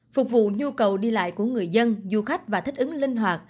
phục vụ nhu cầu đi lại của người dân du khách và thích ứng linh hoạt